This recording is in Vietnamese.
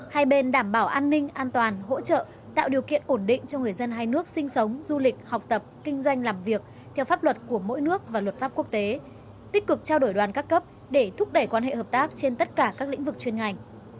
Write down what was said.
hai bên đảm bảo an ninh an toàn hỗ trợ tạo điều kiện ổn định cho người dân hai nước sinh sống du lịch học tập kinh doanh làm việc theo pháp luật của mỗi nước và luật pháp quốc tế tích cực trao đổi đoàn các cấp để thúc đẩy quan hệ hợp tác trên tất cả các lĩnh vực chuyên ngành